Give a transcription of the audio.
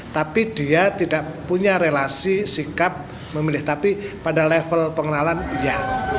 tapi dia tidak punya relasi sikap memilih tapi pada level pengenalan iya